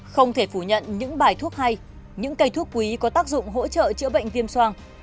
không thể phủ nhận những bài thuốc hay những cây thuốc quý có tác dụng hỗ trợ chữa bệnh viêm soang